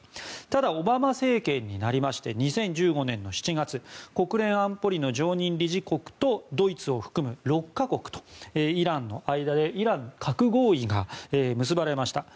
ただ、オバマ政権になりまして２０１５年の７月国連安保理の常任理事国とドイツを含む６か国とイランの間でイランの核合意が結ばれました。